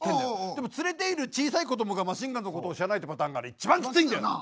でも連れている小さい子どもがマシンガンズのことを知らないってパターンがあれ一番キツいんだよな。